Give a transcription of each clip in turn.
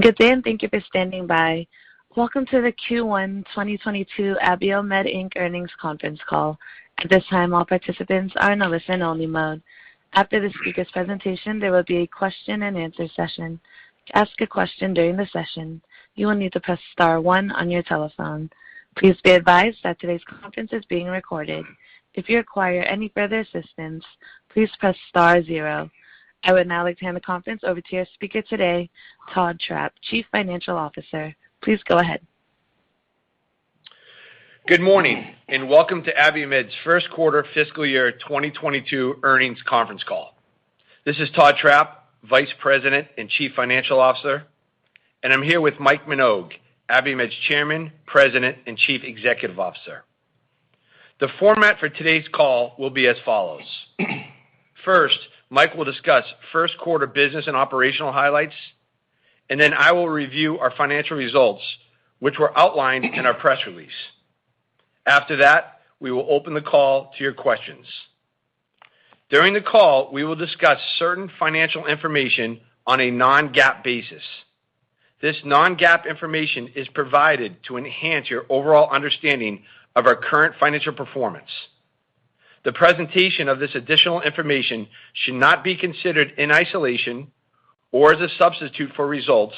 Welcome to the Q1 2022 Abiomed, Inc earnings conference call. At this time, all participants are in listen only mode. After the speaker's presentation, there will be a question-and-answer session. To ask a question during the session, you will need to press star one on your telephone. Please be advised that today's conference is being recorded. If you require any further assistance, please press star zero. I would now like to hand the conference over to your speaker today, Todd Trapp, Chief Financial Officer. Please go ahead. Good morning, welcome to Abiomed's first quarter fiscal year 2022 earnings conference call. This is Todd Trapp, Vice President and Chief Financial Officer, and I'm here with Mike Minogue, Abiomed's Chairman, President, and Chief Executive Officer. The format for today's call will be as follows. First, Mike will discuss first quarter business and operational highlights, then I will review our financial results, which were outlined in our press release. After that, we will open the call to your questions. During the call, we will discuss certain financial information on a non-GAAP basis. This non-GAAP information is provided to enhance your overall understanding of our current financial performance. The presentation of this additional information should not be considered in isolation or as a substitute for results,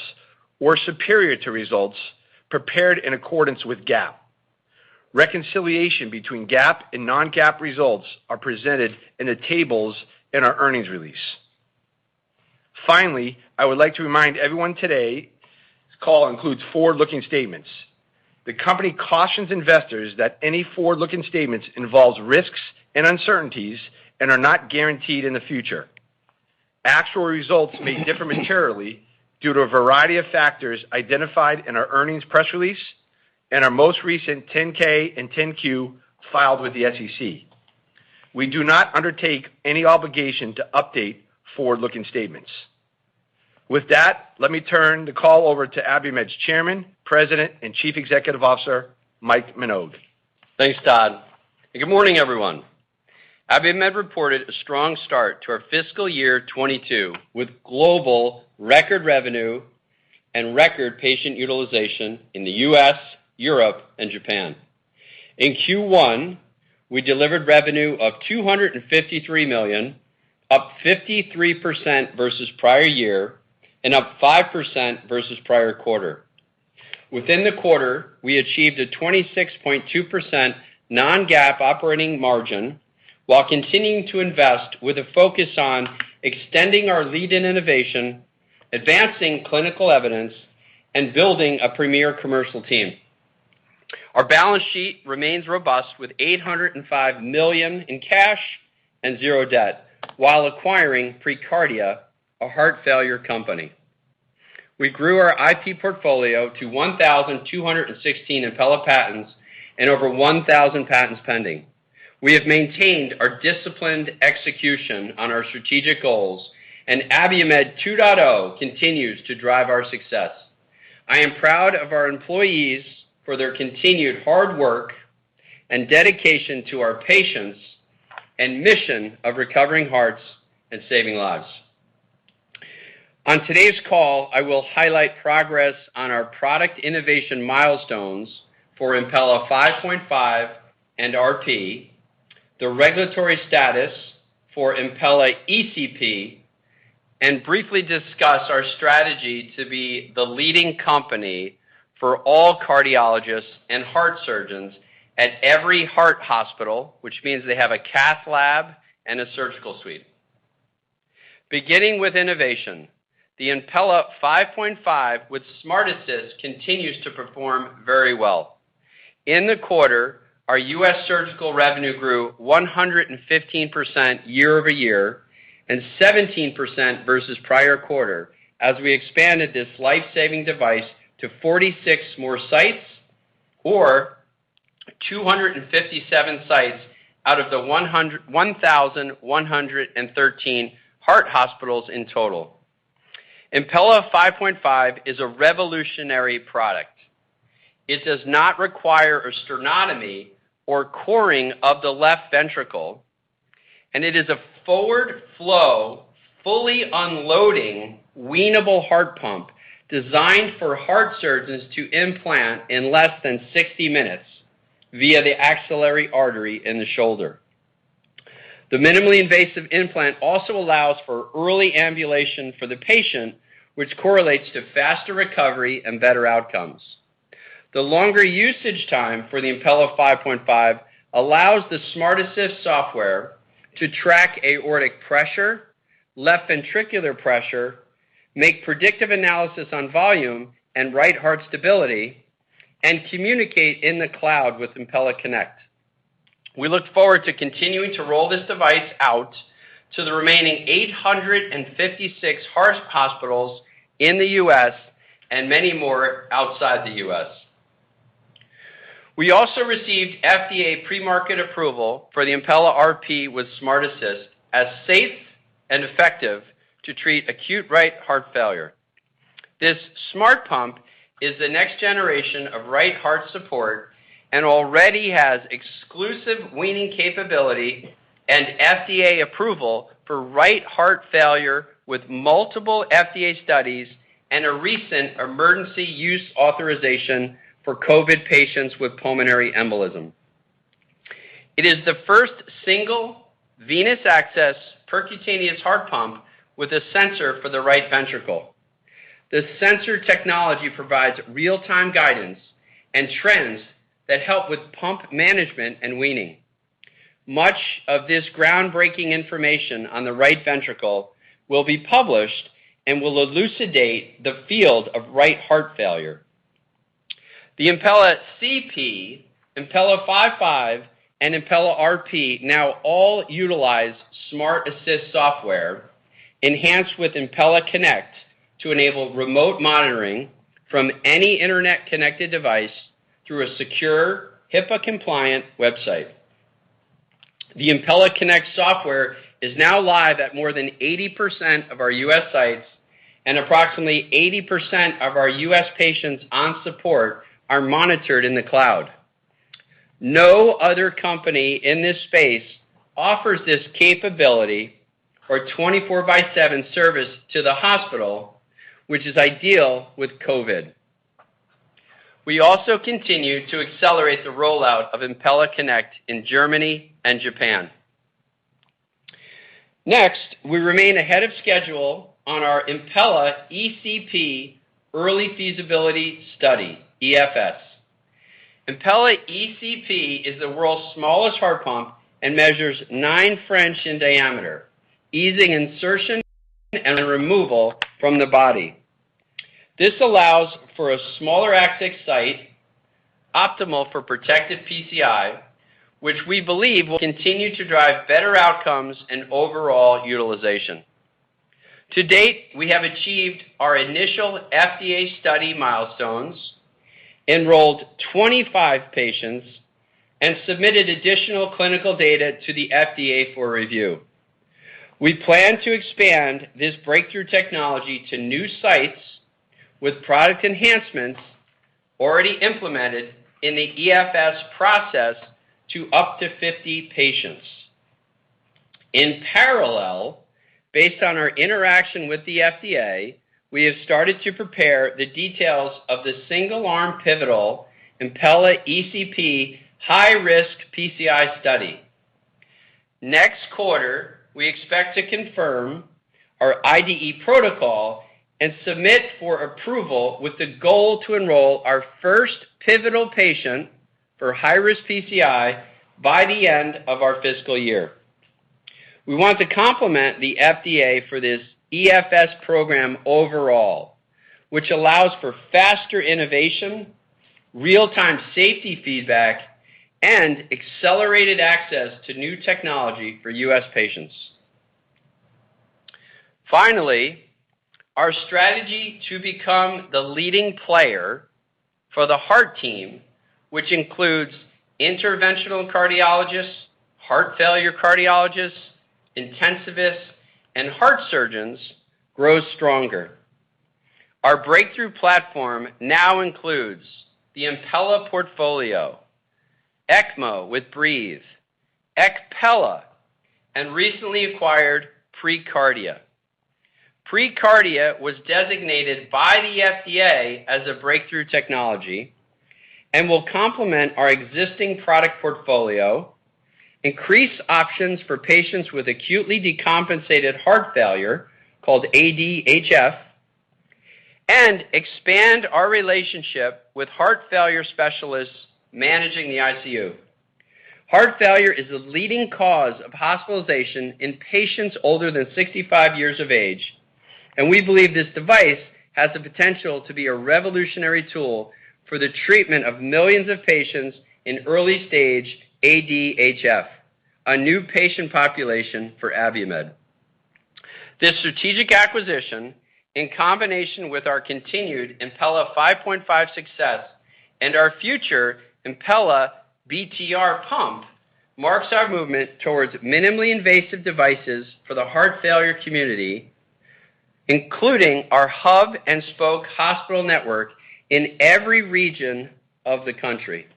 or superior to results, prepared in accordance with GAAP. Reconciliation between GAAP and non-GAAP results are presented in the tables in our earnings release. I would like to remind everyone today, this call includes forward-looking statements. The company cautions investors that any forward-looking statements involve risks and uncertainties and are not guaranteed in the future. Actual results may differ materially due to a variety of factors identified in our earnings press release and our most recent 10-K and 10-Q filed with the SEC. We do not undertake any obligation to update forward-looking statements. With that, let me turn the call over to Abiomed's Chairman, President, and Chief Executive Officer, Mike Minogue. Thanks, Todd. Good morning, everyone. Abiomed reported a strong start to our fiscal year 2022, with global record revenue and record patient utilization in the U.S., Europe, and Japan. In Q1, we delivered revenue of $253 million, up 53% versus prior year, and up 5% versus prior quarter. Within the quarter, we achieved a 26.2% non-GAAP operating margin while continuing to invest with a focus on extending our lead in innovation, advancing clinical evidence, and building a premier commercial team. Our balance sheet remains robust with $805 million in cash and zero debt while acquiring preCARDIA, a heart failure company. We grew our IP portfolio to 1,216 Impella patents and over 1,000 patents pending. We have maintained our disciplined execution on our strategic goals, and Abiomed 2.0 continues to drive our success. I am proud of our employees for their continued hard work and dedication to our patients and mission of recovering hearts and saving lives. On today's call, I will highlight progress on our product innovation milestones for Impella 5.5 and RP, the regulatory status for Impella ECP, and briefly discuss our strategy to be the leading company for all cardiologists and heart surgeons at every heart hospital, which means they have a cath lab and a surgical suite. Beginning with innovation, the Impella 5.5 with SmartAssist continues to perform very well. In the quarter, our U.S. surgical revenue grew 115% year-over-year and 17% versus prior quarter, as we expanded this life-saving device to 46 more sites or 257 sites out of the 1,113 heart hospitals in total. Impella 5.5 is a revolutionary product. It does not require a sternotomy or coring of the left ventricle, and it is a forward flow, fully unloading, weanable heart pump designed for heart surgeons to implant in less than 60 minutes via the axillary artery in the shoulder. The minimally invasive implant also allows for early ambulation for the patient, which correlates to faster recovery and better outcomes. The longer usage time for the Impella 5.5 allows the SmartAssist software to track aortic pressure, left ventricular pressure, make predictive analysis on volume and right heart stability, and communicate in the cloud with Impella Connect. We look forward to continuing to roll this device out to the remaining 856 heart hospitals in the U.S. and many more outside the U.S. We also received FDA pre-market approval for the Impella RP with SmartAssist as safe and effective to treat acute right heart failure. This smart pump is the next generation of right heart support and already has exclusive weaning capability and FDA approval for right heart failure with multiple FDA studies and a recent emergency use authorization for COVID patients with pulmonary embolism. It is the first single venous access percutaneous heart pump with a sensor for the right ventricle. This sensor technology provides real-time guidance and trends that help with pump management and weaning. Much of this groundbreaking information on the right ventricle will be published and will elucidate the field of right heart failure. The Impella CP, Impella 5.5, and Impella RP now all utilize SmartAssist software enhanced with Impella Connect to enable remote monitoring from any internet-connected device through a secure HIPAA-compliant website. The Impella Connect software is now live at more than 80% of our U.S. sites, and approximately 80% of our U.S. patients on support are monitored in the cloud. No other company in this space offers this capability or 24 by seven service to the hospital, which is ideal with COVID. We also continue to accelerate the rollout of Impella Connect in Germany and Japan. Next, we remain ahead of schedule on our Impella ECP early feasibility study, EFS. Impella ECP is the world's smallest heart pump and measures 9 French in diameter, easing insertion and removal from the body. This allows for a smaller access site optimal for Protected PCI, which we believe will continue to drive better outcomes and overall utilization. To date, we have achieved our initial FDA study milestones, enrolled 25 patients, and submitted additional clinical data to the FDA for review. We plan to expand this breakthrough technology to new sites with product enhancements already implemented in the EFS process to up to 50 patients. In parallel, based on our interaction with the FDA, we have started to prepare the details of the single-arm pivotal Impella ECP high-risk PCI study. Next quarter, we expect to confirm our IDE protocol and submit for approval with the goal to enroll our first pivotal patient for high-risk PCI by the end of our fiscal year. We want to compliment the FDA for this EFS program overall, which allows for faster innovation, real-time safety feedback, and accelerated access to new technology for U.S. patients. Finally, our strategy to become the leading player for the heart team, which includes interventional cardiologists, heart failure cardiologists, intensivists, and heart surgeons, grows stronger. Our breakthrough platform now includes the Impella portfolio, ECMO with Breethe, ECpella, and recently acquired preCARDIA, preCARDIA was designated by the FDA as a breakthrough technology and will complement our existing product portfolio, increase options for patients with acutely decompensated heart failure, called ADHF, and expand our relationship with heart failure specialists managing the ICU. Heart failure is the leading cause of hospitalization in patients older than 65 years of age, and we believe this device has the potential to be a revolutionary tool for the treatment of millions of patients in early-stage ADHF, a new patient population for Abiomed. This strategic acquisition, in combination with our continued Impella 5.5 success and our future Impella BTR pump, marks our movement towards minimally invasive devices for the heart failure community, including our hub and spoke hospital network in every region of the country.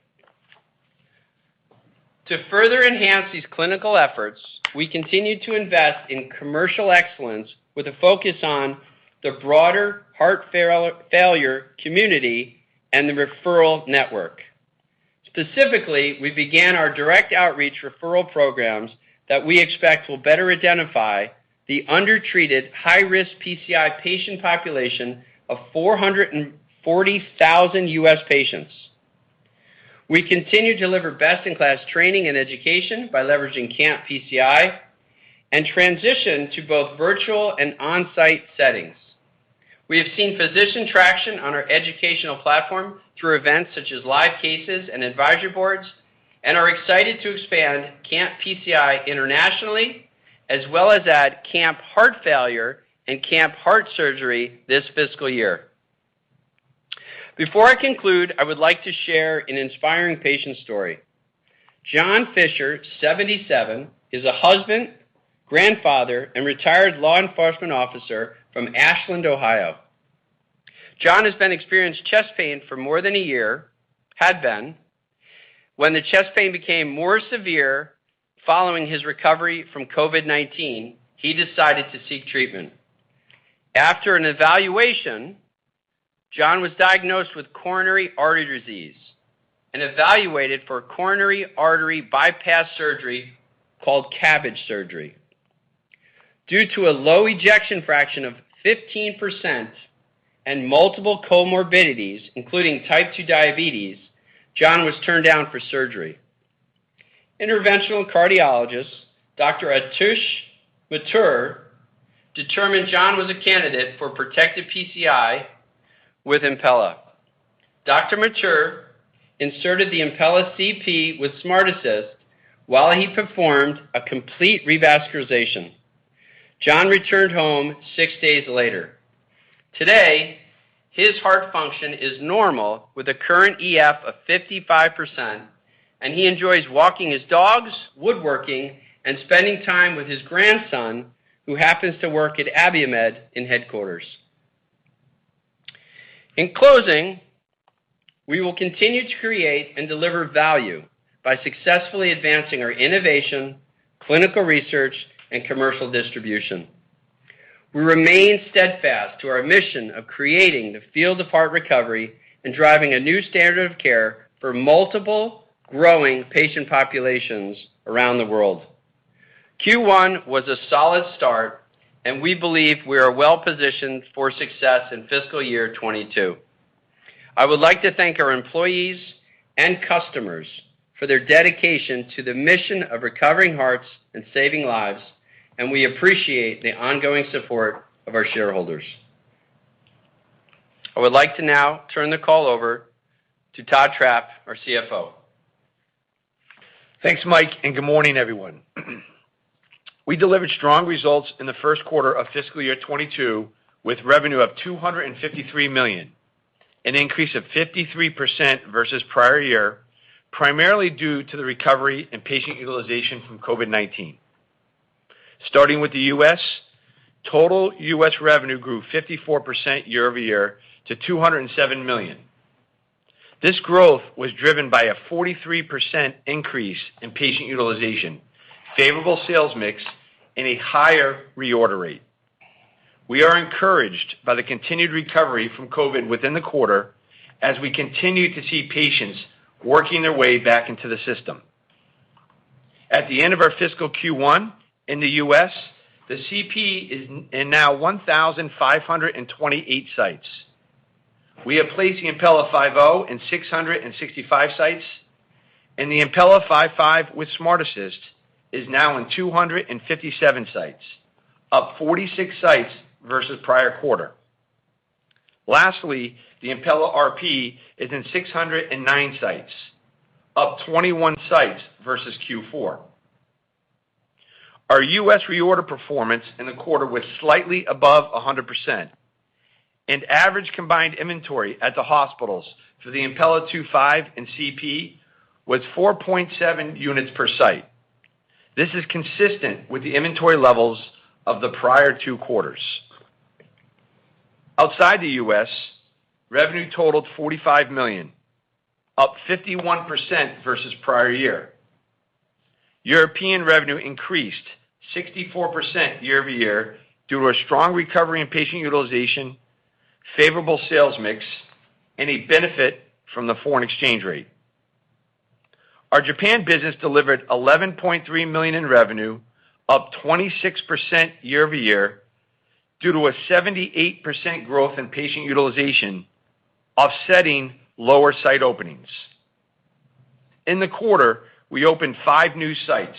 To further enhance these clinical efforts, we continue to invest in commercial excellence with a focus on the broader heart failure community and the referral network. Specifically, we began our direct outreach referral programs that we expect will better identify the undertreated high-risk PCI patient population of 440,000 U.S. patients. We continue to deliver best-in-class training and education by leveraging CAMP PCI and transition to both virtual and on-site settings. We have seen physician traction on our educational platform through events such as live cases and advisory boards and are excited to expand CAMP PCI internationally as well as at CAMP Heart Failure and CAMP Heart Surgery this fiscal year. Before I conclude, I would like to share an inspiring patient story. John Fisher, 77, is a husband, grandfather, and retired law enforcement officer from Ashland, Ohio. John has been experiencing chest pain for more than a year. When the chest pain became more severe following his recovery from COVID-19, he decided to seek treatment. After an evaluation, John was diagnosed with coronary artery disease and evaluated for coronary artery bypass surgery called CABG surgery. Due to a low ejection fraction of 15% and multiple comorbidities, including Type II diabetes, John was turned down for surgery. Interventional cardiologist Dr. Atish Mathur determined John was a candidate for Protected PCI with Impella. Dr. Mathur inserted the Impella CP with SmartAssist while he performed a complete revascularization. John returned home six days later. Today, his heart function is normal with a current EF of 55%, and he enjoys walking his dogs, woodworking, and spending time with his grandson, who happens to work at Abiomed in headquarters. In closing, we will continue to create and deliver value by successfully advancing our innovation, clinical research, and commercial distribution. We remain steadfast to our mission of creating the field of heart recovery and driving a new standard of care for multiple growing patient populations around the world. Q1 was a solid start and we believe we are well-positioned for success in fiscal year 2022. I would like to thank our employees and customers for their dedication to the mission of recovering hearts and saving lives, and we appreciate the ongoing support of our shareholders. I would like to now turn the call over to Todd Trapp, our CFO. Thanks, Mike, and good morning, everyone. We delivered strong results in the first quarter of fiscal year 2022, with revenue of $253 million, an increase of 53% versus prior year, primarily due to the recovery in patient utilization from COVID-19. Starting with the U.S., total U.S. revenue grew 54% year-over-year to $207 million. This growth was driven by a 43% increase in patient utilization, favorable sales mix, and a higher reorder rate. We are encouraged by the continued recovery from COVID within the quarter as we continue to see patients working their way back into the system. At the end of our fiscal Q1 in the U.S., the CP is in now 1,528 sites. We have placed the Impella 5.0 in 665 sites, and the Impella 5.5 with SmartAssist is now in 257 sites, up 46 sites versus prior quarter. Lastly, the Impella RP is in 609 sites, up 21 sites versus Q4. Our U.S. reorder performance in the quarter was slightly above 100%, and average combined inventory at the hospitals for the Impella 2.5 and CP was 4.7 units per site. This is consistent with the inventory levels of the prior two quarters. Outside the U.S., revenue totaled $45 million, up 51% versus prior year. European revenue increased 64% year-over-year due to a strong recovery in patient utilization, favorable sales mix, and a benefit from the foreign exchange rate. Our Japan business delivered $11.3 million in revenue, up 26% year-over-year due to a 78% growth in patient utilization offsetting lower site openings. In the quarter, we opened five new sites,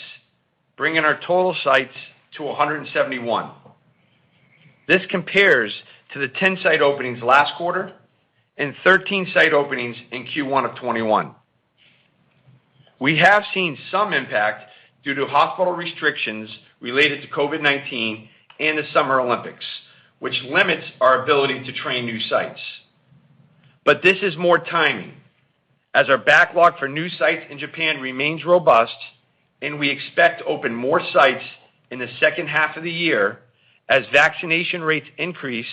bringing our total sites to 171. This compares to the 10 site openings last quarter and 13 site openings in Q1 of 2021. We have seen some impact due to hospital restrictions related to COVID-19 and the Summer Olympics, which limits our ability to train new sites. This is more timing as our backlog for new sites in Japan remains robust and we expect to open more sites in the second half of the year as vaccination rates increase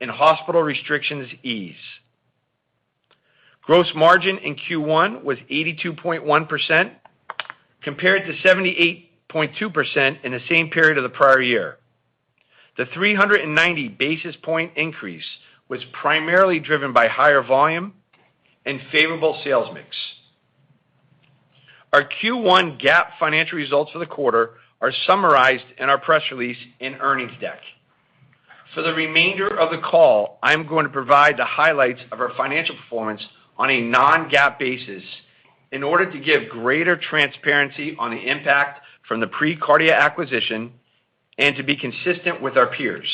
and hospital restrictions ease. Gross margin in Q1 was 82.1% compared to 78.2% in the same period of the prior year. The 390 basis point increase was primarily driven by higher volume and favorable sales mix. Our Q1 GAAP financial results for the quarter are summarized in our press release and earnings deck. For the remainder of the call, I'm going to provide the highlights of our financial performance on a non-GAAP basis in order to give greater transparency on the impact from the preCARDIA acquisition and to be consistent with our peers.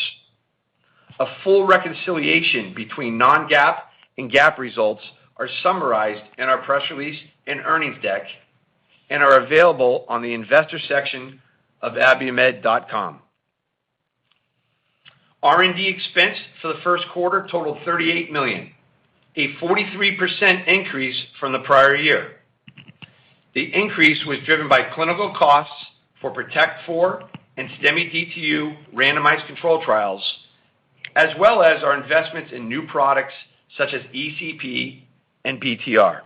A full reconciliation between non-GAAP and GAAP results are summarized in our press release and earnings deck and are available on the investor section of abiomed.com. R&D expense for the first quarter totaled $38 million, a 43% increase from the prior year. The increase was driven by clinical costs for PROTECT IV and STEMI DTU randomized controlled trials, as well as our investments in new products such as ECP and BTR.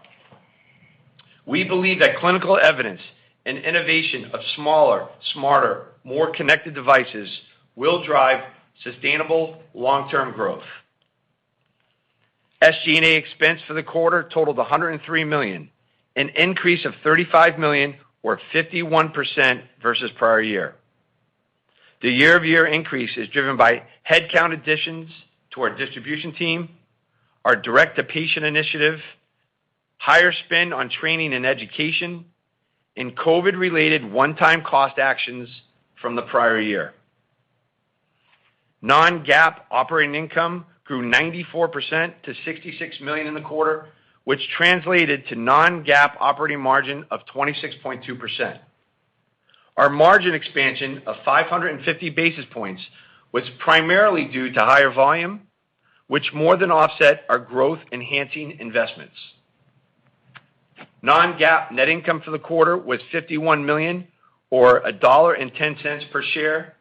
We believe that clinical evidence and innovation of smaller, smarter, more connected devices will drive sustainable long-term growth. SG&A expense for the quarter totaled $103 million, an increase of $35 million or 51% versus prior year. The year-over-year increase is driven by headcount additions to our distribution team, our direct-to-patient initiative, higher spend on training and education, and COVID-related one-time cost actions from the prior year. Non-GAAP operating income grew 94% to $66 million in the quarter, which translated to non-GAAP operating margin of 26.2%. Our margin expansion of 550 basis points was primarily due to higher volume, which more than offset our growth-enhancing investments. Non-GAAP net income for the quarter was $51 million, or $1.10 per share,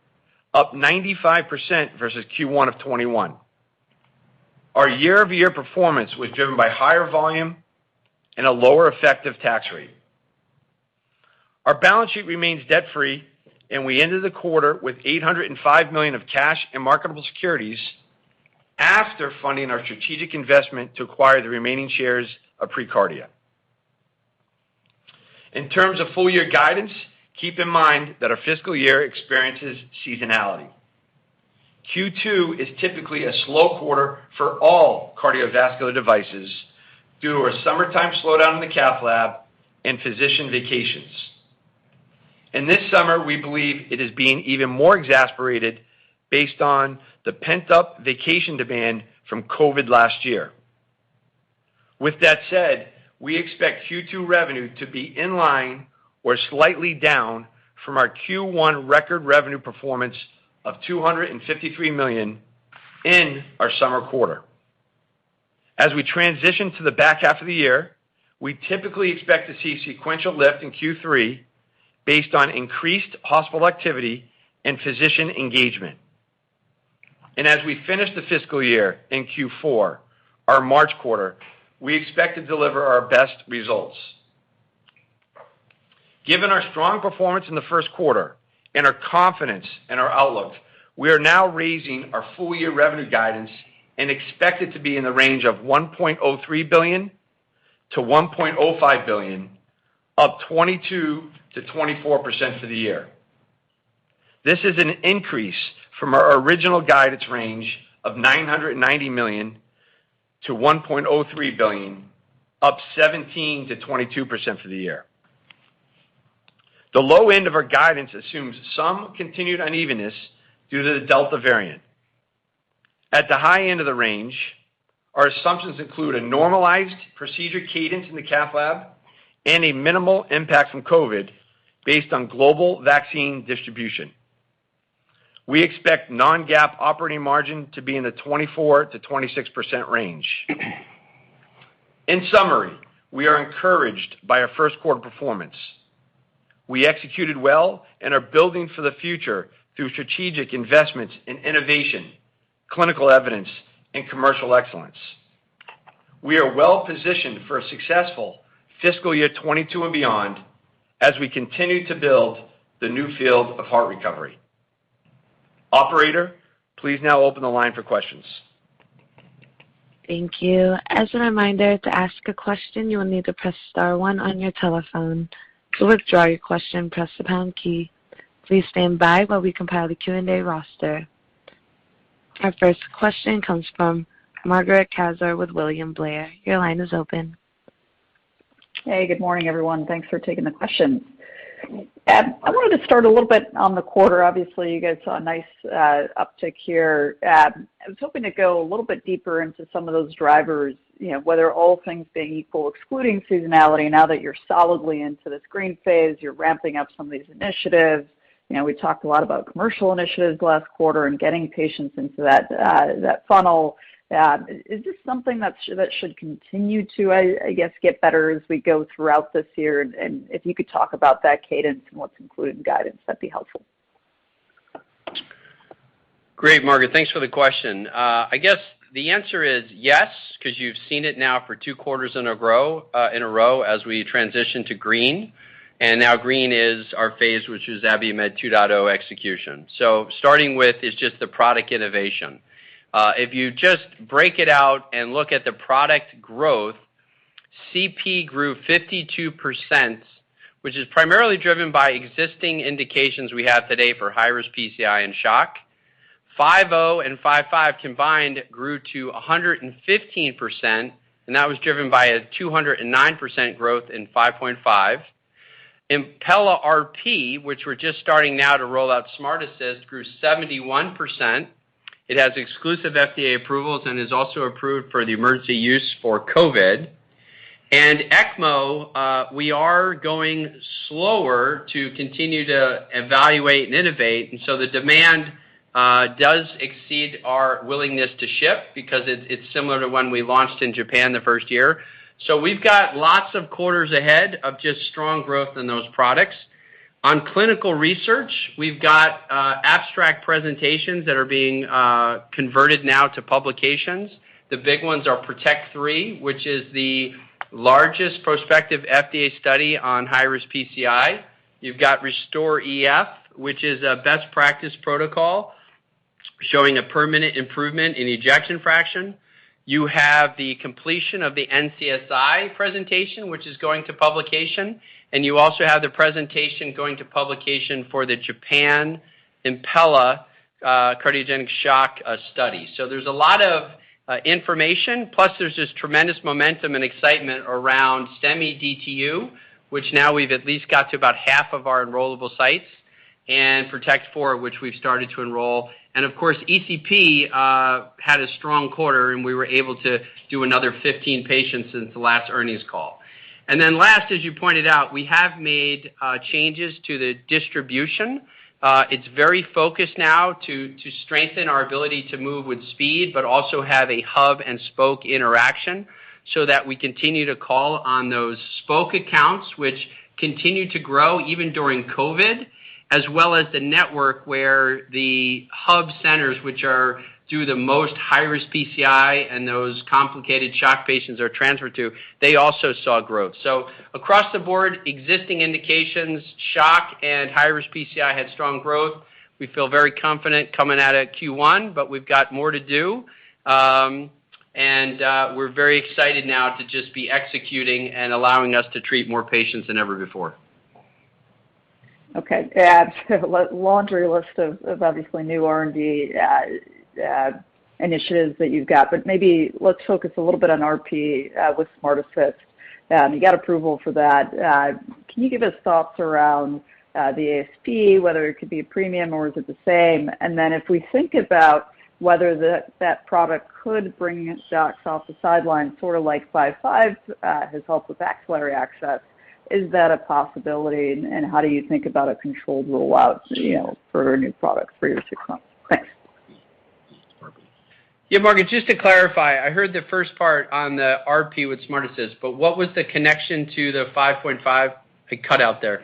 up 95% versus Q1 of 2021. Our year-over-year performance was driven by higher volume and a lower effective tax rate. Our balance sheet remains debt-free, and we ended the quarter with $805 million of cash in marketable securities after funding our strategic investment to acquire the remaining shares of preCARDIA. In terms of full-year guidance, keep in mind that our fiscal year experiences seasonality. Q2 is typically a slow quarter for all cardiovascular devices due to a summertime slowdown in the cath lab and physician vacations. This summer, we believe it is being even more exacerbated based on the pent-up vacation demand from COVID last year. With that said, we expect Q2 revenue to be in line or slightly down from our Q1 record revenue performance of $253 million in our summer quarter. As we transition to the back half of the year, we typically expect to see sequential lift in Q3 based on increased hospital activity and physician engagement. As we finish the fiscal year in Q4, our March quarter, we expect to deliver our best results. Given our strong performance in the first quarter and our confidence in our outlook, we are now raising our full-year revenue guidance and expect it to be in the range of $1.03 billion-$1.05 billion, up 22%-24% for the year. This is an increase from our original guidance range of $990 million-$1.03 billion, up 17%-22% for the year. The low end of our guidance assumes some continued unevenness due to the Delta variant. At the high end of the range, our assumptions include a normalized procedure cadence in the cath lab and a minimal impact from COVID based on global vaccine distribution. We expect non-GAAP operating margin to be in the 24%-26% range. In summary, we are encouraged by our first quarter performance. We executed well and are building for the future through strategic investments in innovation, clinical evidence and commercial excellence. We are well-positioned for a successful fiscal year 2022 and beyond as we continue to build the new field of heart recovery. Operator, please now open the line for questions. Thank you as a reminder to ask a question you need please press star one on your telephone. To withdraw your question press a pound key Please standby as we compile the Q&A roster. Our first question comes from Margaret Kaczor with William Blair. Your line is open. Hey, good morning, everyone. Thanks for taking the question. I wanted to start a little bit on the quarter. Obviously, you guys saw a nice uptick here. I was hoping to go a little bit deeper into some of those drivers, whether all things being equal, excluding seasonality, now that you're solidly into this green phase, you're ramping up some of these initiatives. We talked a lot about commercial initiatives last quarter and getting patients into that funnel. Is this something that should continue to, I guess, get better as we go throughout this year? If you could talk about that cadence and what's included in guidance, that'd be helpful. Great, Margaret. Thanks for the question. I guess the answer is yes, because you've seen it now for two quarters in a row as we transition to green. Now green is our phase, which is Abiomed 2.0 execution. Starting with is just the product innovation. If you just break it out and look at the product growth, CP grew 52%, which is primarily driven by existing indications we have today for high-risk PCI and shock. Impella 5.0 and 5.5 combined grew to 115%, and that was driven by a 209% growth in Impella 5.5. Impella RP, which we're just starting now to roll out SmartAssist, grew 71%. It has exclusive FDA approvals and is also approved for the emergency use for COVID. ECMO, we are going slower to continue to evaluate and innovate, the demand does exceed our willingness to ship because it's similar to when we launched in Japan the first year. We've got lots of quarters ahead of just strong growth in those products. On clinical research, we've got abstract presentations that are being converted now to publications. The big ones are PROTECT III, which is the largest prospective FDA study on high-risk PCI. You've got RESTORE EF, which is a best practice protocol showing a permanent improvement in ejection fraction. You have the completion of the NCSI presentation, which is going to publication, and you also have the presentation going to publication for the Japan Impella cardiogenic shock study. There's a lot of information. Plus, there's just tremendous momentum and excitement around STEMI DTU, which now we've at least got to about half of our enrollable sites, and PROTECT IV, which we've started to enroll. Of course, ECP had a strong quarter, and we were able to do another 15 patients since the last earnings call. Last, as you pointed out, we have made changes to the distribution. It's very focused now to strengthen our ability to move with speed, but also have a hub-and-spoke interaction so that we continue to call on those spoke accounts, which continue to grow even during COVID, as well as the network where the hub centers, which do the most high-risk PCI and those complicated shock patients are transferred to, they also saw growth. Across the board, existing indications, shock, and high-risk PCI had strong growth. We feel very confident coming out of Q1. We've got more to do. We're very excited now to just be executing and allowing us to treat more patients than ever before. Okay. A laundry list of obviously new R&D initiatives that you've got. Maybe let's focus a little bit on RP with SmartAssist. You got approval for that. Can you give us thoughts around the ASP, whether it could be a premium or is it the same? If we think about whether that product could bring docs off the sideline, sort of like Impella 5.5 has helped with axillary access, is that a possibility, and how do you think about a controlled rollout for a new product, three to six months? Thanks. Margaret, just to clarify, I heard the first part on the RP with SmartAssist, but what was the connection to the Impella 5.5? It cut out there.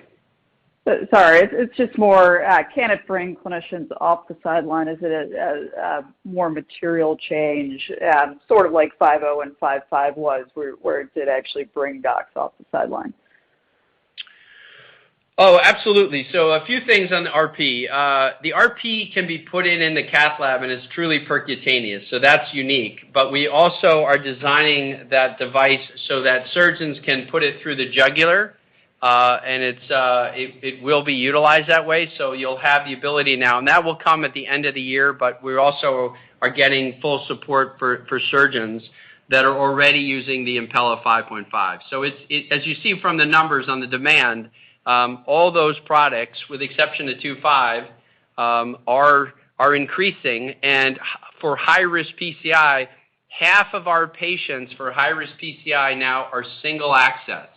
Sorry. It's just more, can it bring clinicians off the sideline? Is it a more material change, sort of like Impella 5.0 and 5.5 was, where it did actually bring docs off the sideline? Absolutely. A few things on the RP. The RP can be put in in the cath lab, and it's truly percutaneous, so that's unique. We also are designing that device so that surgeons can put it through the jugular, and it will be utilized that way. You'll have the ability now, and that will come at the end of the year, but we also are getting full support for surgeons that are already using the Impella 5.5. As you see from the numbers on the demand, all those products, with the exception of 2.5, are increasing. For high-risk PCI, half of our patients for high-risk PCI now are single access,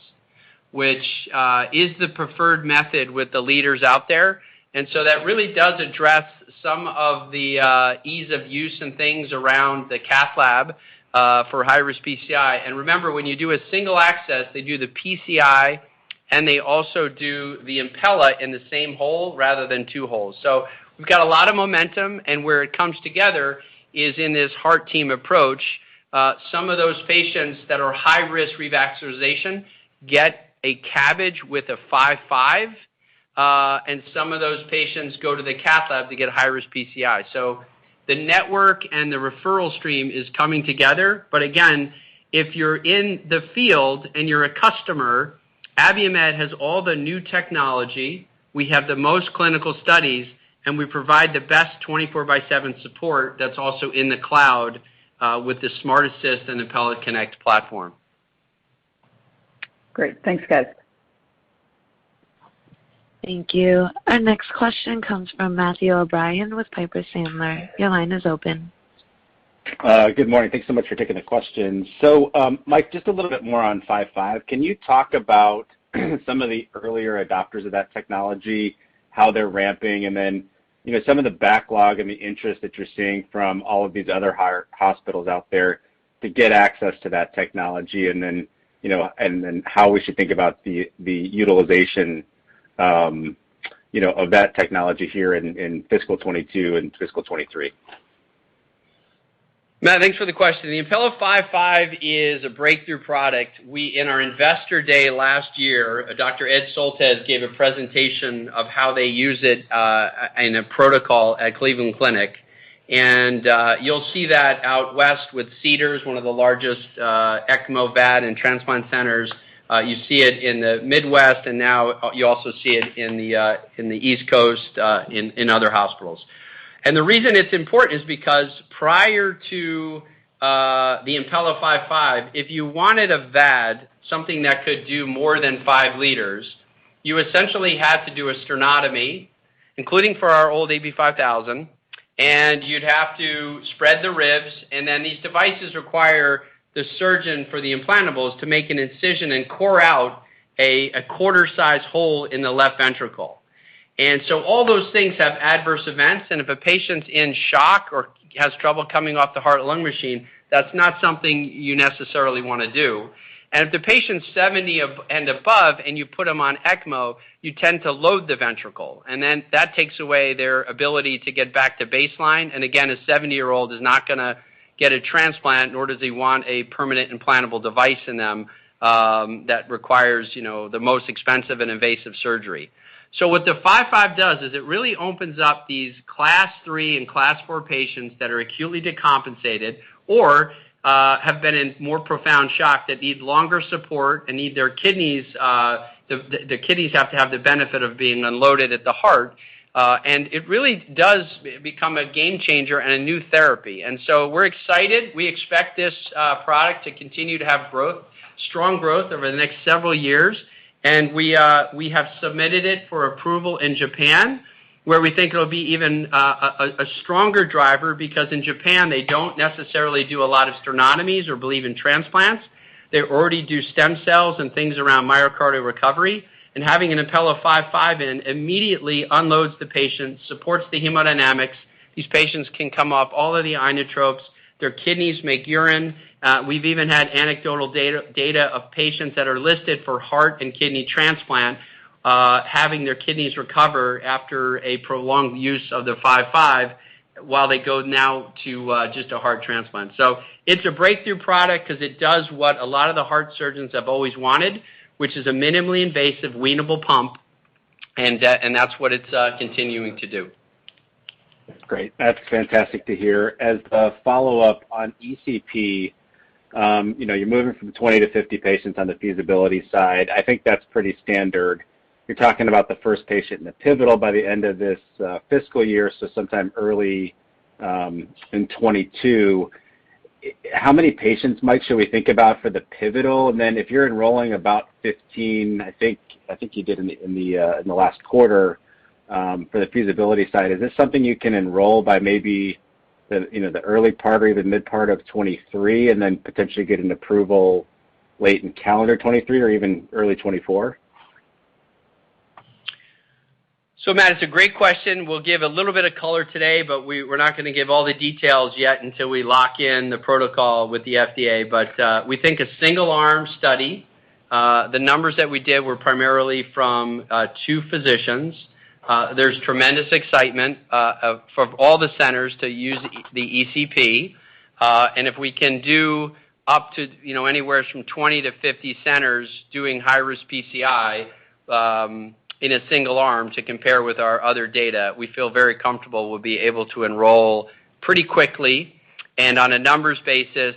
which is the preferred method with the leaders out there. That really does address some of the ease of use and things around the cath lab for high-risk PCI. Remember, when you do a single access, they do the PCI, and they also do the Impella in the same hole rather than two holes. We've got a lot of momentum, and where it comes together is in this heart team approach. Some of those patients that are high risk revascularization get a CABG with a Impella 5.5, and some of those patients go to the cath lab to get high-risk PCI. The network and the referral stream is coming together. Again, if you're in the field and you're a customer, Abiomed has all the new technology, we have the most clinical studies, and we provide the best 24/7 support that's also in the cloud with the SmartAssist and Impella Connect platform. Great. Thanks, guys. Thank you. Our next question comes from Matthew O'Brien with Piper Sandler. Your line is open. Good morning. Thanks so much for taking the questions. Mike, just a little bit more on Impella 5.5. Can you talk about some of the earlier adopters of that technology, how they're ramping, and then some of the backlog and the interest that you're seeing from all of these other hospitals out there to get access to that technology and then how we should think about the utilization of that technology here in fiscal 2022 and fiscal 2023? Matt, thanks for the question. The Impella 5.5 is a breakthrough product. We, in our Investor Day last year, Dr. Ed Soltesz gave a presentation of how they use it in a protocol at Cleveland Clinic. You'll see that out west with Cedars-Sinai, one of the largest ECMO, VAD, and transplant centers. You see it in the Midwest, and now you also see it in the East Coast in other hospitals. The reason it's important is because prior to the Impella 5.5, if you wanted a VAD, something that could do more than 5 L, you essentially had to do a sternotomy, including for our old AB5000, and you'd have to spread the ribs. Then these devices require the surgeon for the implantables to make an incision and core out a quarter-size hole in the left ventricle. All those things have adverse events, and if a patient's in shock or has trouble coming off the heart and lung machine, that's not something you necessarily want to do. If the patient's 70 and above and you put them on ECMO, you tend to load the ventricle, and then that takes away their ability to get back to baseline. Again, a 70-year-old is not going to get a transplant, nor does he want a permanent implantable device in them that requires the most expensive and invasive surgery. What the Impella 5.5 does is it really opens up these Class III and Class IV patients that are acutely decompensated or have been in more profound shock that need longer support. The kidneys have to have the benefit of being unloaded at the heart. It really does become a game changer and a new therapy. We're excited. We expect this product to continue to have strong growth over the next several years. We have submitted it for approval in Japan, where we think it'll be even a stronger driver, because in Japan, they don't necessarily do a lot of sternotomies or believe in transplants. They already do stem cells and things around myocardial recovery. Having an Impella 5.5 in immediately unloads the patient, supports the hemodynamics. These patients can come off all of the inotropes. Their kidneys make urine. We've even had anecdotal data of patients that are listed for heart and kidney transplant having their kidneys recover after a prolonged use of the Impella 5.5 while they go now to just a heart transplant. It's a breakthrough product because it does what a lot of the heart surgeons have always wanted, which is a minimally invasive weanable pump, and that's what it's continuing to do. That's great. That's fantastic to hear. As a follow-up on ECP, you're moving from 20 to 50 patients on the feasibility side. I think that's pretty standard. You're talking about the first patient in the pivotal by the end of this fiscal year, so sometime early in 2022. How many patients, Mike, should we think about for the pivotal? If you're enrolling about 15, I think you did in the last quarter for the feasibility side, is this something you can enroll by maybe the early part or even mid part of 2023 and then potentially get an approval late in calendar 2023 or even early 2024? Matt, it's a great question. We'll give a little bit of color today, but we're not going to give all the details yet until we lock in the protocol with the FDA. We think a single-arm study. The numbers that we did were primarily from two physicians. There's tremendous excitement from all the centers to use the ECP. If we can do up to anywheres from 20-50 centers doing high-risk PCI in a single arm to compare with our other data, we feel very comfortable we'll be able to enroll pretty quickly. On a numbers basis,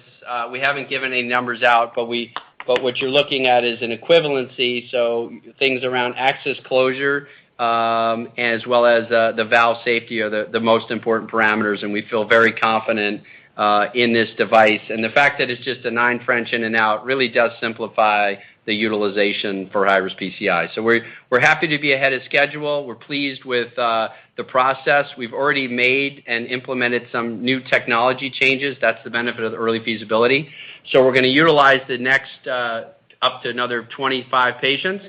we haven't given any numbers out, but what you're looking at is an equivalency. Things around access closure as well as the valve safety are the most important parameters, and we feel very confident in this device. The fact that it's just a 9 French in and out really does simplify the utilization for high-risk PCI. We're happy to be ahead of schedule. We're pleased with the process. We've already made and implemented some new technology changes. That's the benefit of the early feasibility. We're going to utilize the next up to another 25 patients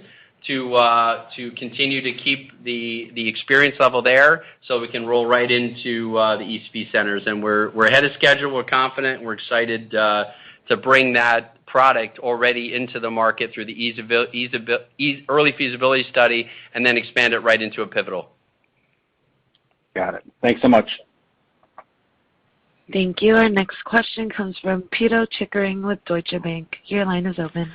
to continue to keep the experience level there so we can roll right into the ECP centers. We're ahead of schedule. We're confident. We're excited to bring that product already into the market through the early feasibility study and then expand it right into a pivotal. Got it. Thanks so much. Thank you. Our next question comes from Pito Chickering with Deutsche Bank. Your line is open.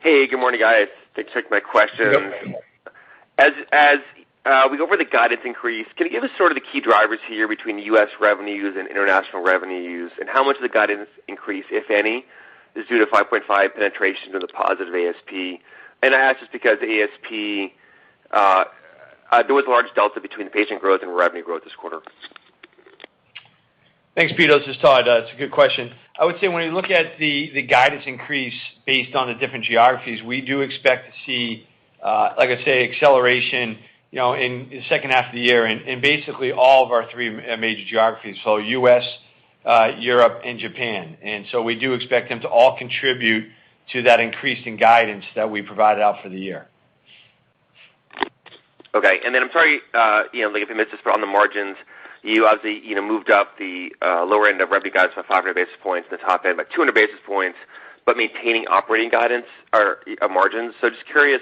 Hey, good morning, guys. Thanks for taking my questions. Good morning. As we go over the guidance increase, can you give us sort of the key drivers here between the U.S. revenues and international revenues? How much of the guidance increase, if any, is due to Impella 5.5 penetration or the positive ASP? I ask just because ASP, there was a large delta between the patient growth and revenue growth this quarter. Thanks, Pito Chickering. This is Todd Trapp. It's a good question. I would say when we look at the guidance increase based on the different geographies, we do expect to see like I say, acceleration in the second half of the year in basically all of our three major geographies, so U.S., Europe, and Japan. We do expect them to all contribute to that increase in guidance that we provided out for the year. Okay. I'm sorry if you missed this, but on the margins, you obviously moved up the lower end of revenue guidance by 500 basis points and the top end by 200 basis points, but maintaining operating guidance or margins. Just curious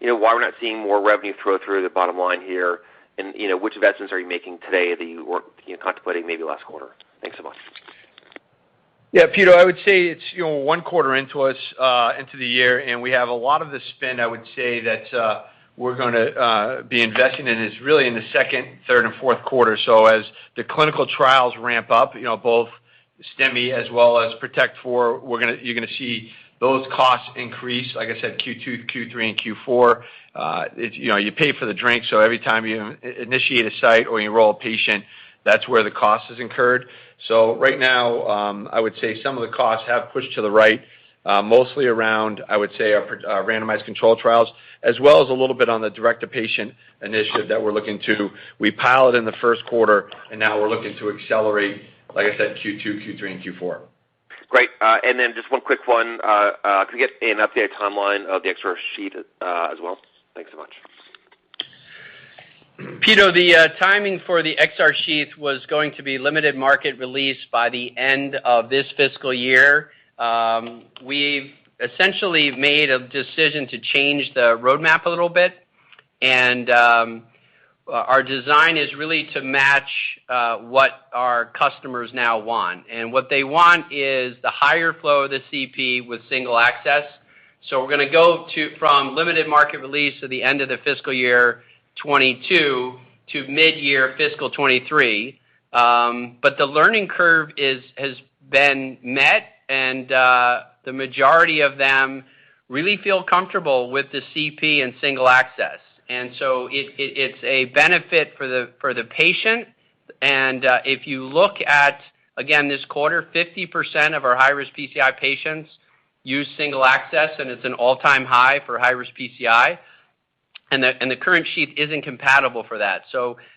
why we're not seeing more revenue flow through to the bottom line here, and which investments are you making today that you weren't contemplating maybe last quarter? Thanks so much. Yeah, Pito, I would say it's one quarter into the year, and we have a lot of the spin, I would say, that we're going to be investing in is really in the second, third, and fourth quarter. As the clinical trials ramp up, both STEMI as well as PROTECT IV, you're going to see those costs increase, like I said, Q2, Q3, and Q4. You pay for the drink, so every time you initiate a site or you enroll a patient, that's where the cost is incurred. Right now, I would say some of the costs have pushed to the right. Mostly around, I would say, our randomized control trials, as well as a little bit on the direct-to-patient initiative that we're looking to. We pilot in the first quarter, and now we're looking to accelerate, like I said, Q2, Q3, and Q4. Great. Just one quick one. Could we get an updated timeline of the XR sheath as well? Thanks so much. Pito, the timing for the XR sheath was going to be limited market release by the end of this fiscal year. We've essentially made a decision to change the roadmap a little bit, our design is really to match what our customers now want. What they want is the higher flow of the CP with single access. We're going to go from limited market release to the end of the fiscal year 2022 to mid-year fiscal 2023. The learning curve has been met, and the majority of them really feel comfortable with the CP and single access. It's a benefit for the patient. If you look at, again, this quarter, 50% of our high-risk PCI patients use single access, and it's an all-time high for high-risk PCI. The current sheath isn't compatible for that.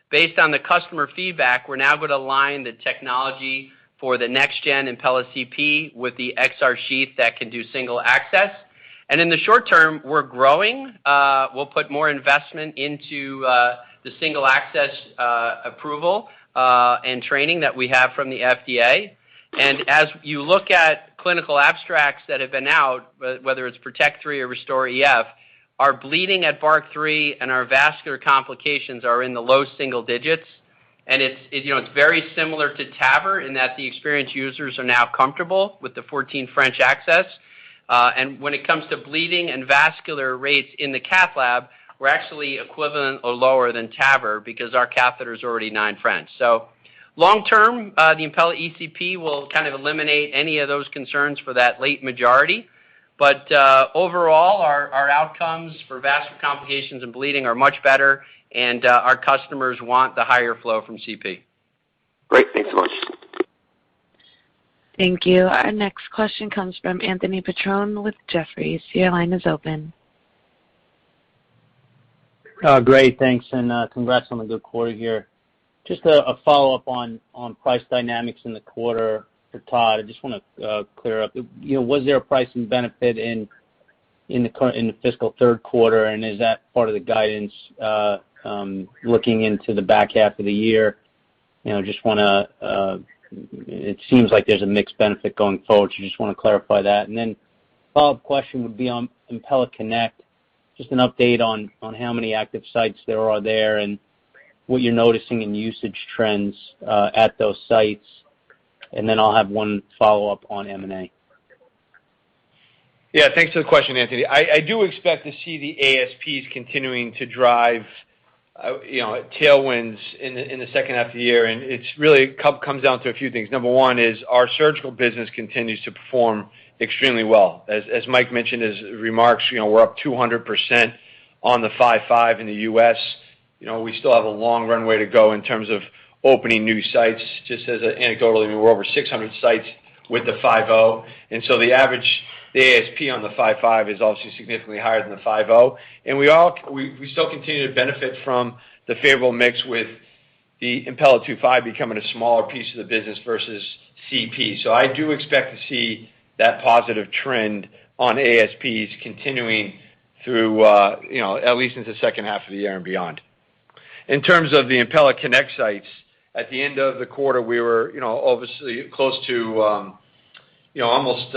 Based on the customer feedback, we're now going to align the technology for the next-gen Impella CP with the XR sheath that can do single access. In the short term, we're growing. We'll put more investment into the single access approval and training that we have from the FDA. As you look at clinical abstracts that have been out, whether it's PROTECT III or RESTORE EF, our bleeding at BARC III and our vascular complications are in the low single digits. It's very similar to TAVR in that the experienced users are now comfortable with the 14 French access. When it comes to bleeding and vascular rates in the cath lab, we're actually equivalent or lower than TAVR because our catheter is already 9 French. Long-term, the Impella ECP will kind of eliminate any of those concerns for that late majority. Overall, our outcomes for vascular complications and bleeding are much better, and our customers want the higher flow from CP. Great. Thanks so much. Thank you. Our next question comes from Anthony Petrone with Jefferies. Your line is open. Gray, thanks. Congrats on the good quarter here. Just a follow-up on price dynamics in the quarter for Todd. I just want to clear up, was there a pricing benefit in the fiscal third quarter, and is that part of the guidance looking into the back half of the year? It seems like there's a mixed benefit going forward, so just want to clarify that. A follow-up question would be on Impella Connect. Just an update on how many active sites there are there and what you're noticing in usage trends at those sites. I'll have 1 follow-up on M&A. Yeah, thanks for the question, Anthony Petrone. I do expect to see the ASPs continuing to drive tailwinds in the second half of the year. It really comes down to a few things. Number one is our surgical business continues to perform extremely well. As Mike mentioned in his remarks, we're up 200% on the Impella 5.5 in the U.S. We still have a long runway to go in terms of opening new sites. Just as anecdotally, we're over 600 sites with the Impella 5.0. The ASP on the Impella 5.5 is obviously significantly higher than the Impella 5.0. We still continue to benefit from the favorable mix with the Impella 2.5 becoming a smaller piece of the business versus CP. I do expect to see that positive trend on ASPs continuing through at least into the second half of the year and beyond. In terms of the Impella Connect sites, at the end of the quarter, we were obviously close to almost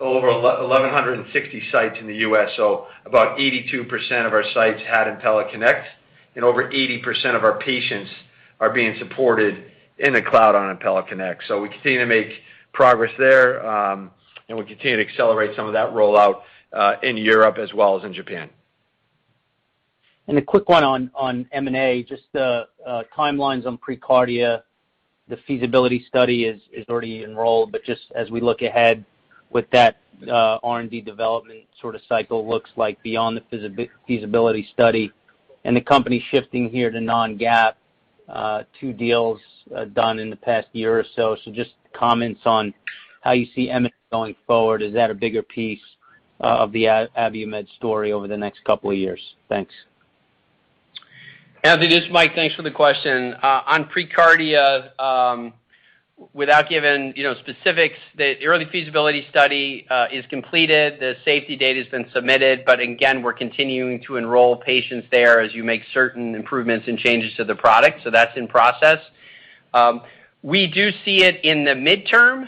over 1,160 sites in the U.S., so about 82% of our sites had Impella Connect, and over 80% of our patients are being supported in the cloud on Impella Connect. We continue to make progress there, and we continue to accelerate some of that rollout in Europe as well as in Japan. A quick one on M&A, just the timelines on preCARDIA, the feasibility study is already enrolled, but just as we look ahead with that R&D development sort of cycle looks like beyond the feasibility study and the company shifting here to non-GAAP, two deals done in the past year or so. Just comments on how you see M&A going forward. Is that a bigger piece of the Abiomed story over the next couple of years? Thanks. Anthony, this is Mike. Thanks for the question. On preCARDIA, without giving specifics, the early feasibility study is completed. The safety data has been submitted. Again, we're continuing to enroll patients there as we make certain improvements and changes to the product. That's in process. We do see it in the midterm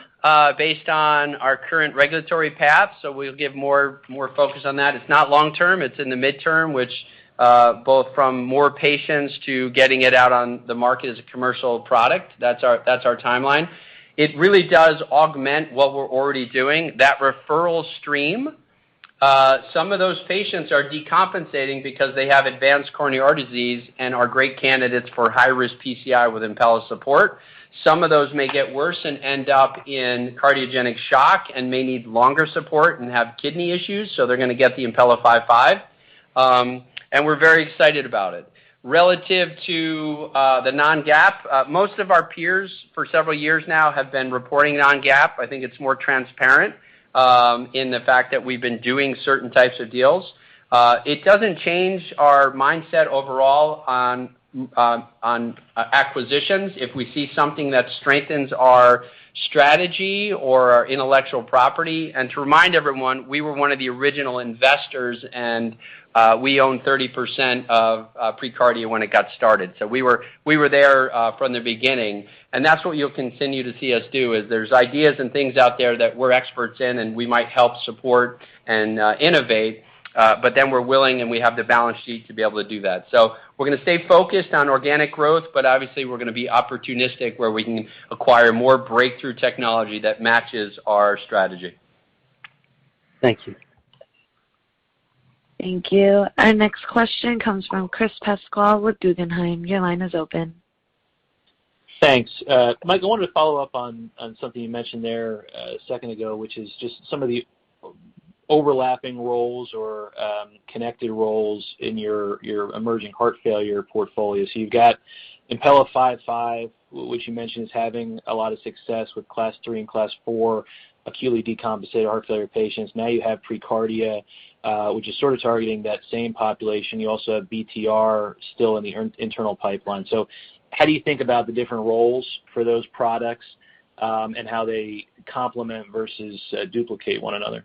based on our current regulatory path. We'll give more focus on that. It's not long term. It's in the midterm, which both from more patients to getting it out on the market as a commercial product. That's our timeline. It really does augment what we're already doing. That referral stream, some of those patients are decompensating because they have advanced coronary disease and are great candidates for high-risk PCI with Impella support. Some of those may get worse and end up in cardiogenic shock and may need longer support and have kidney issues, so they're going to get the Impella 5.5. We're very excited about it. Relative to the non-GAAP, most of our peers for several years now have been reporting non-GAAP. I think it's more transparent in the fact that we've been doing certain types of deals. It doesn't change our mindset overall on acquisitions if we see something that strengthens our strategy or our intellectual property. To remind everyone, we were one of the original investors, and we owned 30% of preCARDIA when it got started. We were there from the beginning, and that's what you'll continue to see us do, is there's ideas and things out there that we're experts in, and we might help support and innovate, but then we're willing, and we have the balance sheet to be able to do that. We're going to stay focused on organic growth, but obviously, we're going to be opportunistic where we can acquire more breakthrough technology that matches our strategy. Thank you. Thank you. Our next question comes from Chris Pasquale with Guggenheim. Your line is open. Thanks. Mike, I wanted to follow up on something you mentioned there a second ago, which is just some of the overlapping roles or connected roles in your emerging heart failure portfolio. You've got Impella 5.5, which you mentioned is having a lot of success with Class III and Class III acutely decompensated heart failure patients. Now you have preCARDIA, which is sort of targeting that same population. You also have BTR still in the internal pipeline. How do you think about the different roles for those products and how they complement versus duplicate one another?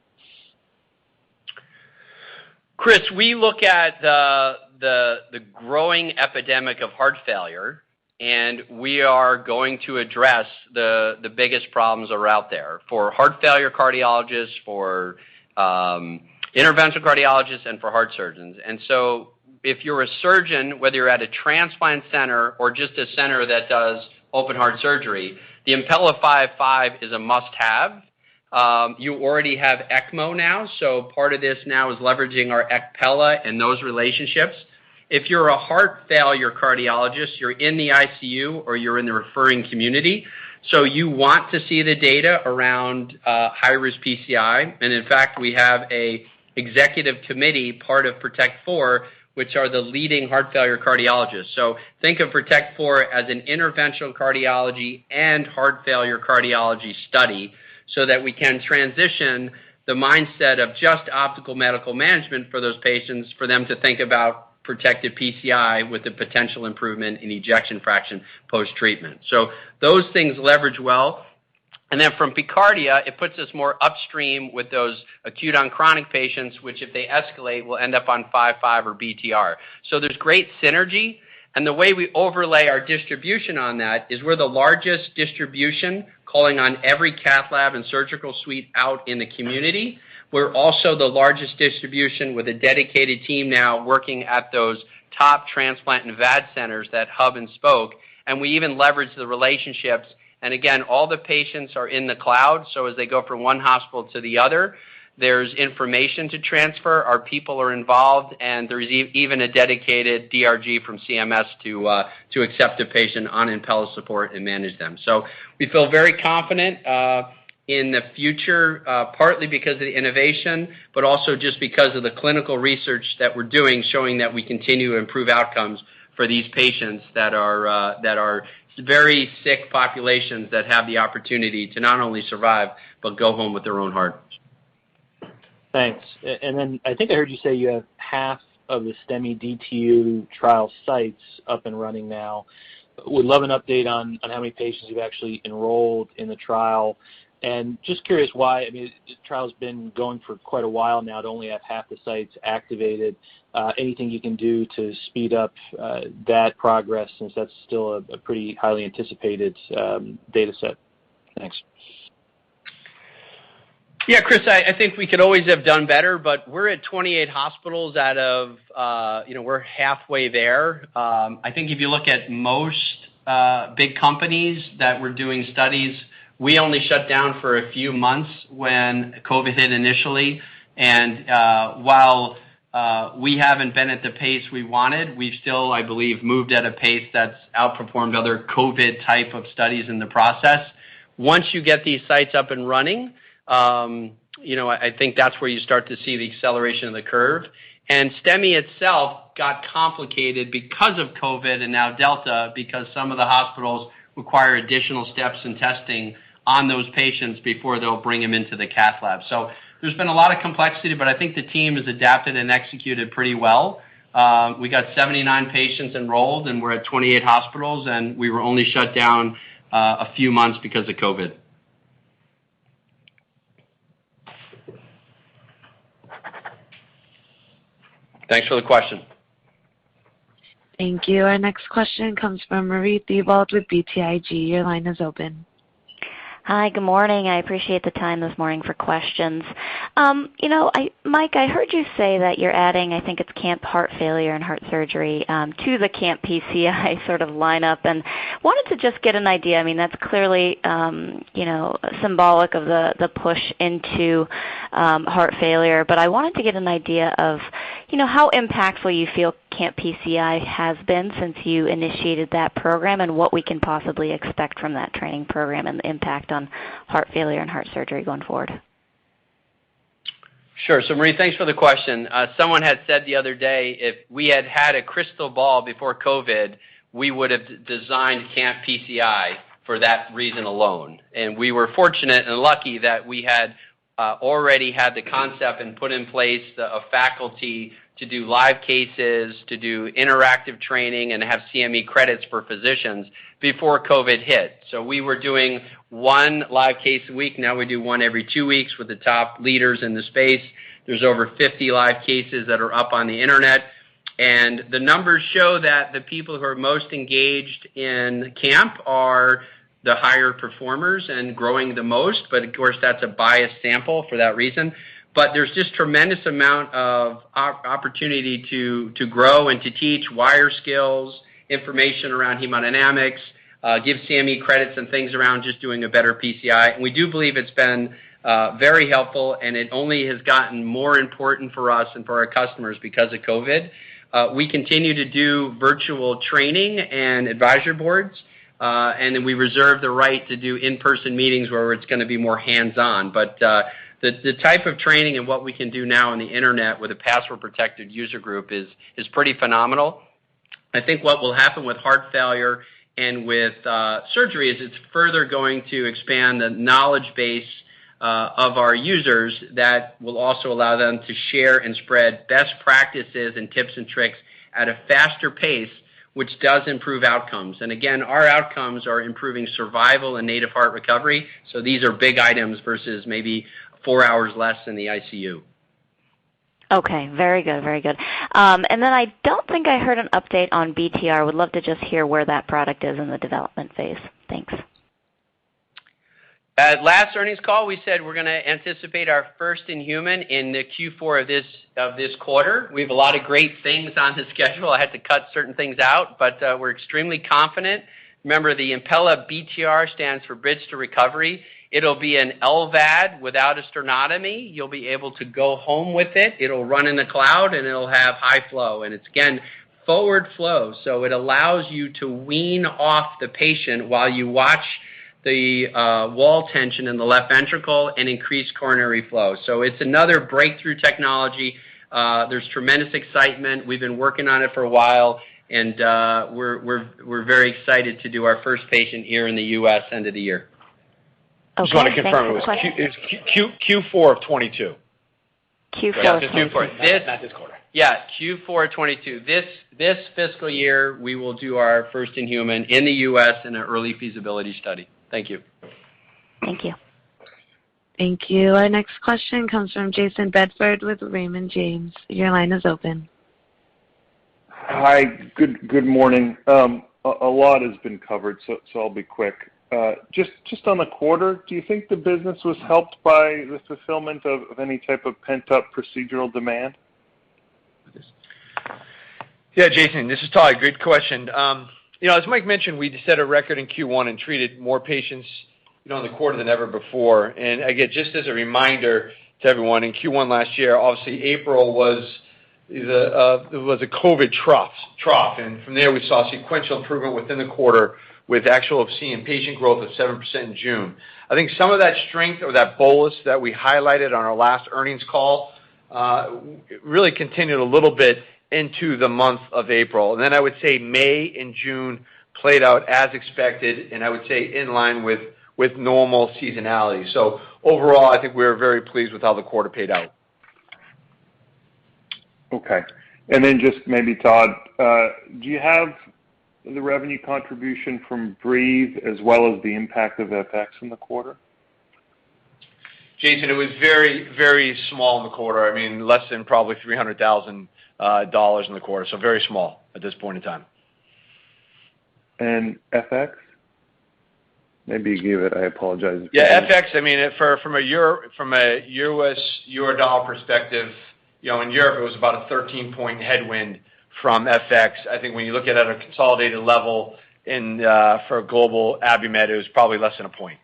Chris, we look at the growing epidemic of heart failure, we are going to address the biggest problems that are out there for heart failure cardiologists, for interventional cardiologists and for heart surgeons. If you're a surgeon, whether you're at a transplant center or just a center that does open heart surgery, the Impella 5.5 is a must-have. You already have ECMO now, so part of this now is leveraging our ECpella and those relationships. If you're a heart failure cardiologist, you're in the ICU or you're in the referring community, so you want to see the data around high-risk PCI. In fact, we have an executive committee, part of PROTECT IV, which are the leading heart failure cardiologists. Think of PROTECT IV as an interventional cardiology and heart failure cardiology study so that we can transition the mindset of just optimal medical management for those patients, for them to think about Protected PCI with the potential improvement in ejection fraction post-treatment. Those things leverage well. From preCARDIA, it puts us more upstream with those acute on chronic patients, which, if they escalate, will end up on Impella 5.5 or BTR. There's great synergy, and the way we overlay our distribution on that is we're the largest distribution calling on every cath lab and surgical suite out in the community. We're also the largest distribution with a dedicated team now working at those top transplant and VAD centers, that hub and spoke, and we even leverage the relationships. Again, all the patients are in the cloud, so as they go from one hospital to the other, there's information to transfer. Our people are involved, and there's even a dedicated DRG from CMS to accept a patient on Impella support and manage them. We feel very confident in the future partly because of the innovation, but also just because of the clinical research that we're doing, showing that we continue to improve outcomes for these patients that are very sick populations that have the opportunity to not only survive but go home with their own heart. Thanks. I think I heard you say you have half of the STEMI DTU trial sites up and running now. Would love an update on how many patients you've actually enrolled in the trial. Just curious why. The trial's been going for quite a while now to only have half the sites activated. Anything you can do to speed up that progress, since that's still a pretty highly anticipated dataset? Thanks. Chris, I think we could always have done better, but we're at 28 hospitals out of We're halfway there. I think if you look at most big companies that were doing studies, we only shut down for a few months when COVID hit initially. While we haven't been at the pace we wanted, we've still, I believe, moved at a pace that's outperformed other COVID type of studies in the process. Once you get these sites up and running, I think that's where you start to see the acceleration of the curve. STEMI itself got complicated because of COVID and now Delta, because some of the hospitals require additional steps and testing on those patients before they'll bring them into the cath lab. There's been a lot of complexity, but I think the team has adapted and executed pretty well. We got 79 patients enrolled. We're at 28 hospitals. We were only shut down a few months because of COVID. Thanks for the question. Thank you. Our next question comes from Marie Thibault with BTIG. Your line is open. Hi. Good morning. I appreciate the time this morning for questions. Mike, I heard you say that you're adding, I think it's CAMP Heart Failure and CAMP Heart Surgery to the CAMP PCI sort of lineup, and wanted to just get an idea. That's clearly symbolic of the push into heart failure, but I wanted to get an idea of how impactful you feel CAMP PCI has been since you initiated that program, and what we can possibly expect from that training program and the impact on heart failure and heart surgery going forward. Sure. Marie, thanks for the question. Someone had said the other day if we had had a crystal ball before COVID, we would've designed CAMP PCI for that reason alone. We were fortunate and lucky that we had already had the concept and put in place the faculty to do live cases, to do interactive training, and have CME credits for physicians before COVID hit. We were doing one live case a week. Now we do one every two weeks with the top leaders in the space. There's over 50 live cases that are up on the internet, and the numbers show that the people who are most engaged in CAMP are the higher performers and growing the most. Of course, that's a biased sample for that reason. There's just tremendous amount of opportunity to grow and to teach wire skills, information around hemodynamics, give CME credits and things around just doing a better PCI. We do believe it's been very helpful, and it only has gotten more important for us and for our customers because of COVID. We continue to do virtual training and advisory boards, and then we reserve the right to do in-person meetings where it's going to be more hands-on. The type of training and what we can do now on the internet with a password-protected user group is pretty phenomenal. I think what will happen with heart failure and with surgery is it's further going to expand the knowledge base of our users that will also allow them to share and spread best practices and tips and tricks at a faster pace, which does improve outcomes. Again, our outcomes are improving survival and native heart recovery. These are big items versus maybe four hours less in the ICU. Okay. Very good. Then I don't think I heard an update on BTR. I would love to just hear where that product is in the development phase. Thanks. At last earnings call, we said we're going to anticipate our first in-human in the Q4 of this quarter. We have a lot of great things on the schedule. I had to cut certain things out, but we're extremely confident. Remember, the Impella BTR stands for Bridge-to-Recovery. It'll be an LVAD without a sternotomy. You'll be able to go home with it. It'll run in the cloud, and it'll have high flow, and it's, again, forward flow, so it allows you to wean off the patient while you watch the wall tension in the left ventricle and increase coronary flow. It's another breakthrough technology. There's tremendous excitement. We've been working on it for a while, and we're very excited to do our first patient here in the U.S. end of the year. Okay. Thanks. Just want to confirm it was Q4 of 2022. Q4 of 2022. Not this quarter. Q4 2022. This fiscal year, we will do our first-in-human in the U.S. in an early feasibility study. Thank you. Thank you. Thank you. Our next question comes from Jayson Bedford with Raymond James. Your line is open. Hi. Good morning. A lot has been covered. I'll be quick. Just on the quarter, do you think the business was helped by the fulfillment of any type of pent-up procedural demand? Yeah, Jayson, this is Todd. Great question. As Mike mentioned, we set a record in Q1 and treated more patients in the quarter than ever before. Again, just as a reminder to everyone, in Q1 last year, obviously April was the COVID trough. From there we saw sequential improvement within the quarter with actual seeing patient growth of 7% in June. I think some of that strength or that bolus that we highlighted on our last earnings call really continued a little bit into the month of April. Then I would say May and June played out as expected and I would say in line with normal seasonality. Overall, I think we're very pleased with how the quarter played out. Okay. Just maybe, Todd, do you have the revenue contribution from Breethe as well as the impact of FX in the quarter? Jayson, it was very small in the quarter. Less than probably $300,000 in the quarter. Very small at this point in time. FX? Maybe you gave it, I apologize if you did. Yeah, FX, from a U.S. euro dollar perspective, in Europe it was about a 13-point headwind from FX. I think when you look at it at a consolidated level for global Abiomed, it was probably less than a point.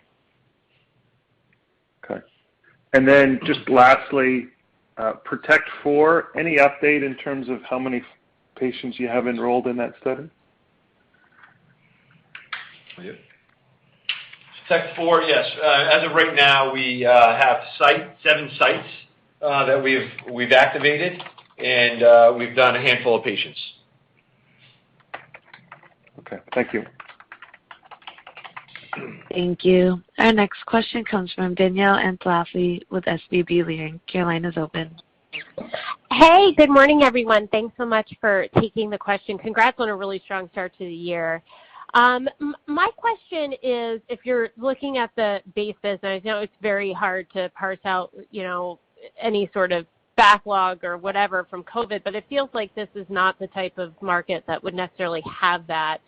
Okay. Just lastly, PROTECT IV, any update in terms of how many patients you have enrolled in that study? Yep. PROTECT IV, yes. As of right now, we have seven sites that we've activated. We've done a handful of patients. Okay. Thank you. Thank you. Our next question comes from Danielle Antalffy with SVB Leerink. Your line is open. Hey. Good morning, everyone. Thanks so much for taking the question. Congrats on a really strong start to the year. My question is, if you're looking at the basis, I know it's very hard to parse out any sort of backlog or whatever from COVID, but it feels like this is not the type of market that would necessarily have that.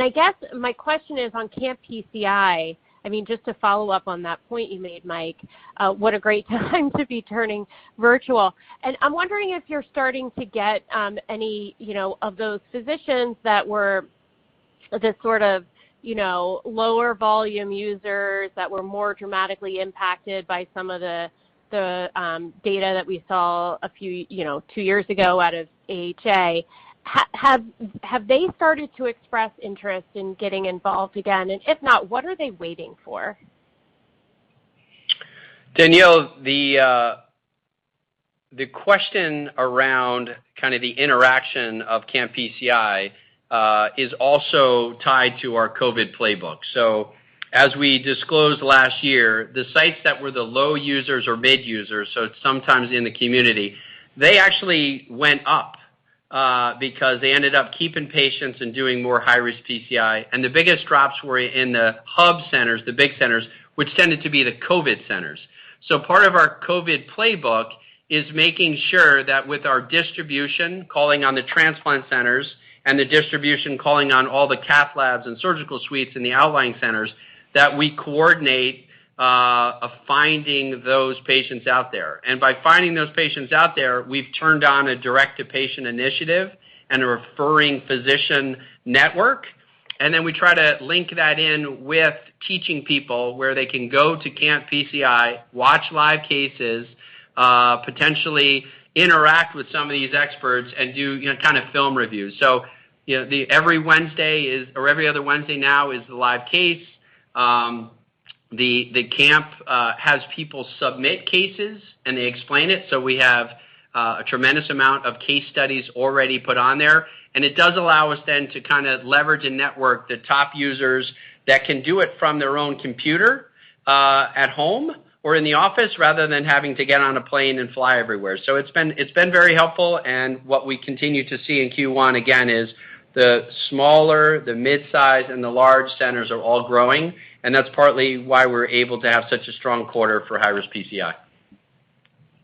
I guess my question is on CAMP PCI, just to follow up on that point you made, Mike, what a great time to be turning virtual. I'm wondering if you're starting to get any of those physicians that were just sort of lower volume users that were more dramatically impacted by some of the data that we saw two years ago out of AHA. Have they started to express interest in getting involved again? If not, what are they waiting for? Danielle, the question around the interaction of CAMP PCI is also tied to our COVID playbook. As we disclosed last year, the sites that were the low users or mid users, sometimes in the community, they actually went up because they ended up keeping patients and doing more high-risk PCI. The biggest drops were in the hub centers, the big centers, which tended to be the COVID centers. Part of our COVID playbook is making sure that with our distribution, calling on the transplant centers, and the distribution calling on all the cath labs and surgical suites in the outlying centers, that we coordinate finding those patients out there. By finding those patients out there, we've turned on a direct-to-patient initiative and a referring physician network. We try to link that in with teaching people where they can go to CAMP PCI, watch live cases, potentially interact with some of these experts, and do film reviews. Every other Wednesday now is the live case. The camp has people submit cases, and they explain it. We have a tremendous amount of case studies already put on there. It does allow us then to leverage and network the top users that can do it from their own computer at home or in the office, rather than having to get on a plane and fly everywhere. It's been very helpful, and what we continue to see in Q1, again, is the smaller, the mid-size, and the large centers are all growing, and that's partly why we're able to have such a strong quarter for high-risk PCI.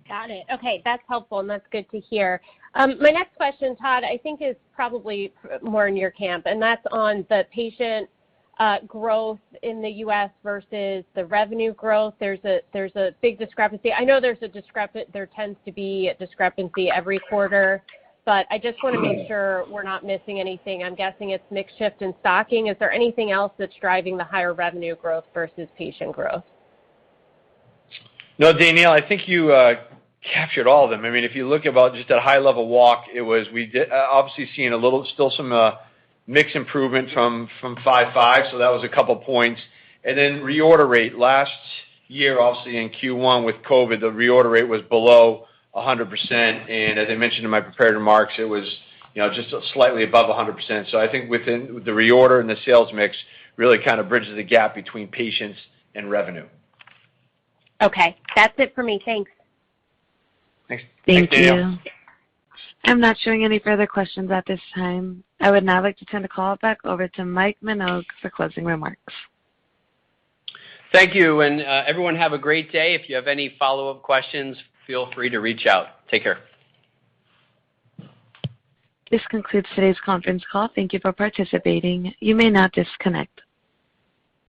Got it. Okay. That's helpful, and that's good to hear. My next question, Todd, I think is probably more in your camp, and that's on the patient growth in the U.S. versus the revenue growth. There's a big discrepancy. I know there tends to be a discrepancy every quarter, but I just want to make sure we're not missing anything. I'm guessing it's mix shift and stocking. Is there anything else that's driving the higher revenue growth versus patient growth? No, Danielle, I think you captured all of them. If you look about just at high-level walk, we did obviously seeing a little still some mix improvement from Impella 5.5, so that was a couple points. Reorder rate. Last year, obviously in Q1 with COVID, the reorder rate was below 100%, and as I mentioned in my prepared remarks, it was just slightly above 100%. I think with the reorder and the sales mix really kind of bridges the gap between patients and revenue. Okay. That's it for me. Thanks. Thanks. Thank you. I am not showing any further questions at this time. I would now like to turn the call back over to Mike Minogue for closing remarks. Thank you. Everyone have a great day. If you have any follow-up questions, feel free to reach out. Take care. This concludes today's conference call. Thank you for participating. You may now disconnect.